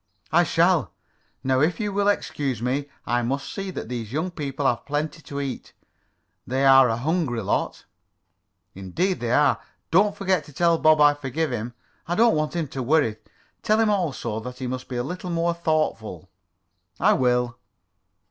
"I shall. Now, if you will excuse me, I must see that these young people have plenty to eat. They are a hungry lot." "Indeed they are. Don't forget to tell Bob I forgive him. I don't want him to worry. Tell him, also, that he must be a little more thoughtful." "I will."